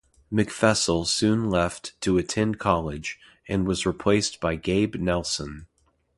McFessel soon left to attend college, and was replaced by Gabe Nelson.